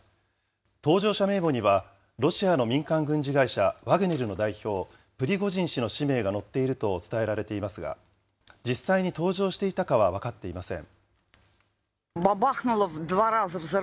搭乗者名簿には、ロシアの民間軍事会社、ワグネルの、プリゴジン氏の氏名が乗っていると伝えられていますが、実際に搭乗していたかは分かっていません。